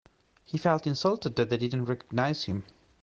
He felt insulted that they didn't recognise him.